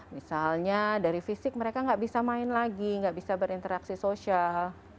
misalnya dari fisik mereka nggak bisa main lagi nggak bisa berinteraksi sosial